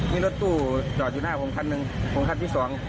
มีรถตู้จอดอยู่หน้าผมคันหนึ่งผมคันที่สอง